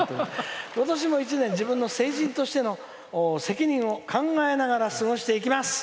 今年も一年自分の成人としての責任を考えながら過ごしていきます」。